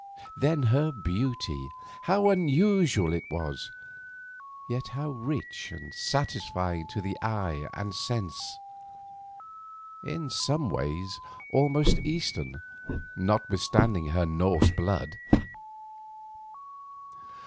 Then her beauty—how unusual it was, yet how rich and satisfying to the eye and sense; in some ways almost Eastern notwithstanding her Norse blood!